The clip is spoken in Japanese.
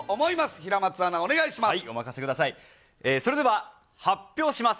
平松アナ、お願いします。